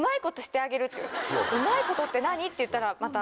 「うまいことって何？」って言ったらまた。